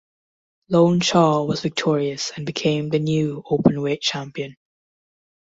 Lone Chaw was victorious and became the new Openweight Champion.